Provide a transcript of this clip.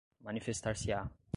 manifestar-se-á